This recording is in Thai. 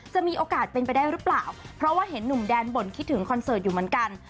จะมีโอกาสเป็นไปได้หรือเปล่าเพราะว่าเห็นหนุ่มแดนบ่นคิดถึงคอนเสิร์ตอยู่เหมือนกัน